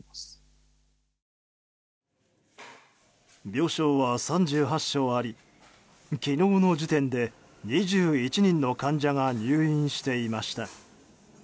病床は３８床あり昨日の時点で２１人の患者が入院していました。